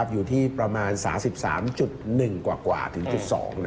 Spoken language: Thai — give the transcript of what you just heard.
อยู่ที่ประมาณ๓๓๑กว่าถึงจุด๒